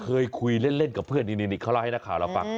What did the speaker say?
เคยคุยเล่นกับเพื่อนนี่เขาเล่าให้นักข่าวเราฟัง